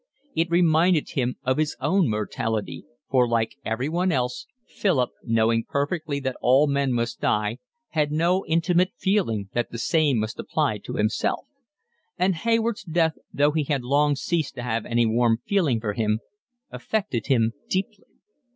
It reminded him of his own mortality, for like everyone else Philip, knowing perfectly that all men must die, had no intimate feeling that the same must apply to himself; and Hayward's death, though he had long ceased to have any warm feeling for him, affected him deeply.